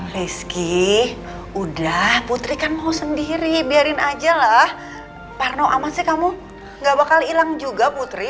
rizky udah putri kan mau sendiri biarin aja lah parno aman sih kamu gak bakal hilang juga putri